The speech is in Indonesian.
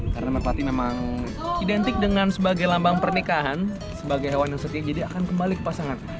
karena merpati memang identik dengan sebagai lambang pernikahan sebagai hewan yang setia jadi akan kembali ke pasangan